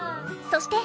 そして。